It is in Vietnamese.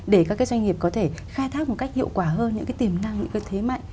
để các cái doanh nghiệp có thể khai thác một cách hiệu quả hơn những cái tiềm năng những cái thế mạnh